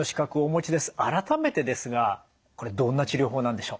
改めてですがこれどんな治療法なんでしょう？